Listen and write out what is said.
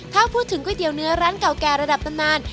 ถ้าพูดถึงก๋วยเตี๋ยวเนื้อร้านเก่าแก่ระดับตำนาน